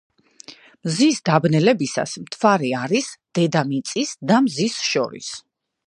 მზის დაბნელებისას მთვარე არის დედამიწის და მზის შორის.